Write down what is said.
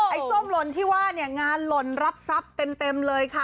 ส้มหล่นที่ว่าเนี่ยงานหล่นรับทรัพย์เต็มเลยค่ะ